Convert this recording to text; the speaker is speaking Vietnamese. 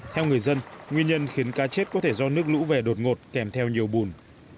theo người dân nguyên nhân khiến cá chết có thể do nước lũ về đột ngột kèm theo nhiều bùn